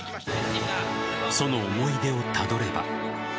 その思い出をたどれば。